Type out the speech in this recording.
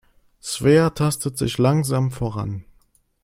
Svea tastet sich langsam voran.